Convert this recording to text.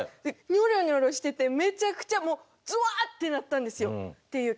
ニョロニョロしててめちゃくちゃもうゾワーッってなったんですよ。